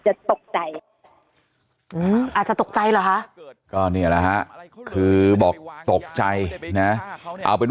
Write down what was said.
ตกใจอาจจะตกใจเหรอคะก็นี่แหละฮะคือบอกตกใจนะเอาเป็น